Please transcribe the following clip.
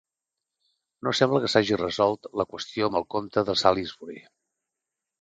No sembla que s'hagi resolt la qüestió amb el comte de Salisbury.